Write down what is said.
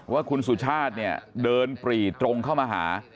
ว่าคุณสุชาติเนี่ยเดินปรีตรงเข้ามาหา